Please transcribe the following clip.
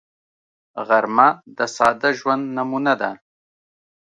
غرمه د ساده ژوند نمونه ده